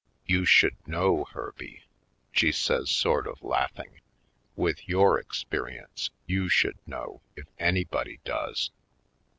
"You should know, Herby," she says sort of laughing; "with your experience you should know if anybody does."